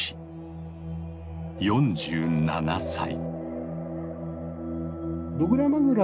４７歳。